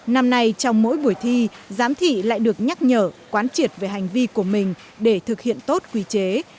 năm nay trong mỗi buổi thi giám thị lại được nhắc nhở quán triệt về hành vi của mình để thực hiện tốt quy chế